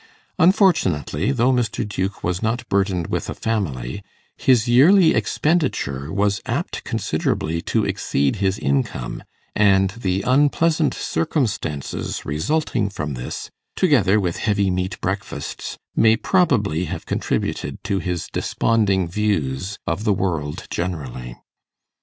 Unfortunately, though Mr. Duke was not burdened with a family, his yearly expenditure was apt considerably to exceed his income; and the unpleasant circumstances resulting from this, together with heavy meat breakfasts, may probably have contributed to his desponding views of the world generally.